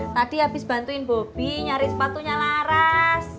tadi habis bantuin bobby nyari sepatunya laras